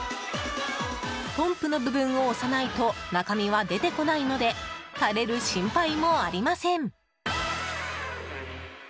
ポンプの部分を押さないと中身は出てこないので垂れる心配もありません。